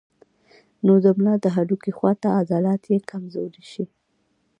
نو د ملا د هډوکي خواته عضلات ئې کمزوري شي